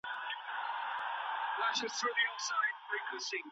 فارمسي پوهنځۍ په پټه نه بدلیږي.